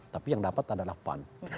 tapi yang dapat ada lapan